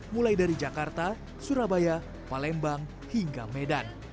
mulai dari jakarta surabaya palembang hingga medan